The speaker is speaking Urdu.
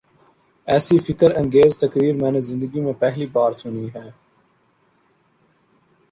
ایسی فکر انگیز تقریر میں نے زندگی میں پہلی بار سنی ہے۔